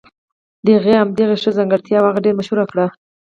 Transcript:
د هغې همدې ښو ځانګرتياوو هغه ډېره مشهوره کړه.